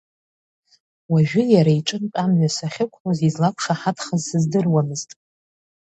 Уажәы иара иҿынтә амҩа сахьықәлоз излақәшаҳаҭхаз сыздыруамызт.